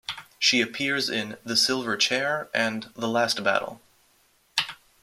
She appears in "The Silver Chair" and "The Last Battle.